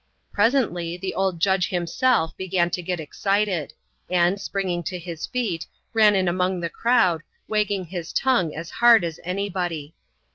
Presently, the old judge himself began to get excited ; and springing to his feet, ran in among the crowd, wagging his tongue as hard as any body.